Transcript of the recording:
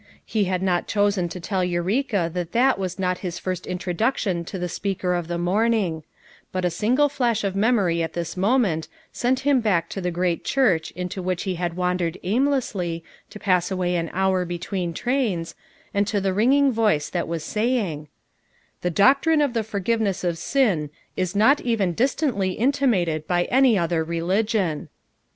He had not chosen to tell Eureka that that was not his first introduction to the speaker of the morning; but a single flash of memory at this moment sent him back to tho great church into FOUJi MOTHERS AT CHAUTAUQUA 357 which lie had wandered aimlessly, to pass away an hour between trains, and to the ringing voice Unit was saying: "The doctrine of the forgiveness of sin is not even distantly imitated by any other reli gion.'